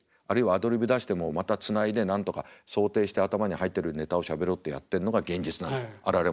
あるいはアドリブ出してもまたつないでなんとか想定して頭に入ってるネタをしゃべろうってやってんのが現実なんです